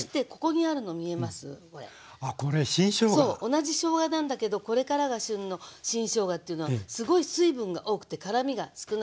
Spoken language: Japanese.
同じしょうがなんだけどこれからが旬の新しょうがというのはすごい水分が多くて辛みが少ないのね。